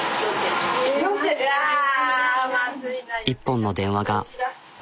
一本の電話が。